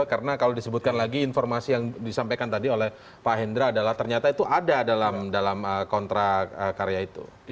karena kalau disebutkan lagi informasi yang disampaikan tadi oleh pak hendra adalah ternyata itu ada dalam kontrak karya itu